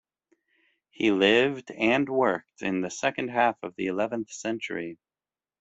He lived and worked in the second half of the eleventh century.